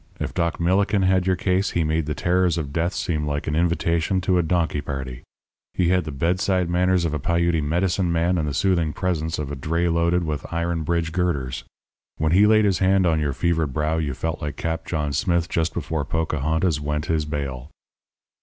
If Doc Millikin had your case, he made the terrors of death seem like an invitation to a donkey party. He had the bedside manners of a Piute medicine man and the soothing presence of a dray loaded with iron bridge girders. When he laid his hand on your fevered brow you felt like Cap John Smith just before Pocahontas went his bail.